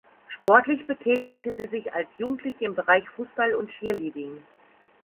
Sportlich betätigte sie sich als Jugendliche im Bereich Fußball und Cheerleading.